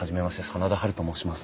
真田ハルと申します。